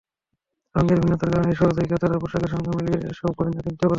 রঙের ভিন্নতার কারণে সহজেই ক্রেতারা পোশাকের সঙ্গে মিলিয়ে এসব গয়না কিনতে পারছেন।